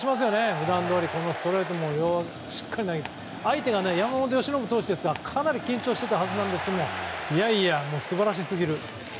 普段どおりストレートもしっかり投げて相手が山本由伸投手ですからかなり緊張していたはずなんですが素晴らしすぎる。